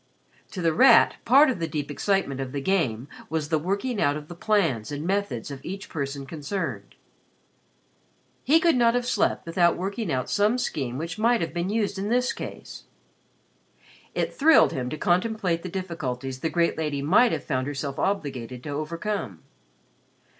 To The Rat, part of the deep excitement of "the Game" was the working out of the plans and methods of each person concerned. He could not have slept without working out some scheme which might have been used in this case. It thrilled him to contemplate the difficulties the great lady might have found herself obliged to overcome.